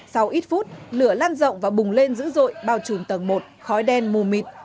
sau ít phút lửa lan rộng và bùng lên dữ dội bao trùm tầng một khói đen mù mịt